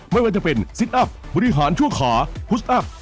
ไม่ว่าจะเป็นซิตอัพบริหารชั่วขาพุสอัพ